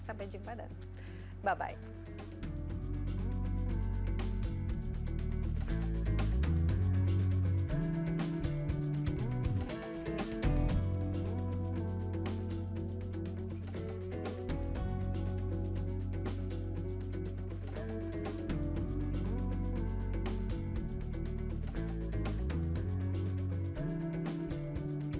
sampai jumpa dan bye bye